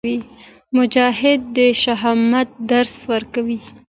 مجاهد د شهامت درس ورکوي.